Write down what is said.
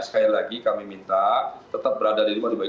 sekali lagi kami minta tetap berada di luar rumah